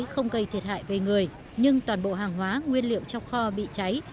không gây thiệt hại về người nhưng toàn bộ hàng hóa nguyên liệu trong kho bị cháy